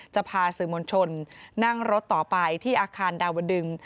จะพาสื่อมวลชนนั่งรถต่อไปที่อาคารดาวดึง